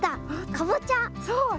かぼちゃ。